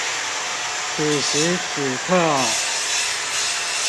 此時此刻